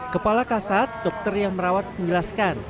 kepala kasat dokter yang merawat menjelaskan